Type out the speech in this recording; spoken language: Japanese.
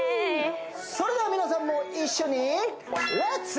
それでは皆さんも一緒にレッツ！